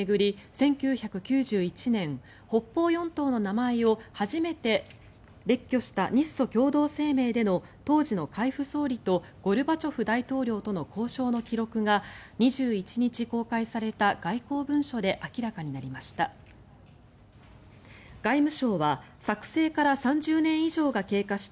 １９９１年北方四島の名前を初めて列挙した日ソ共同声明での当時の海部総理とゴルバチョフ大統領との交渉の記録が２１日公開された外交文書で明らかになりました。